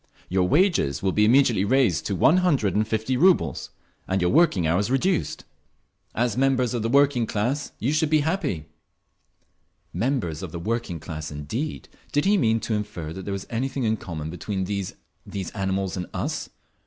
Your wages will be immediately raised to one hundred and fifty rubles, and your working hours reduced. As members of the working class you should be happy—" Members of the working class indeed! Did he mean to infer that there was anything in common between these—these animals—and _us?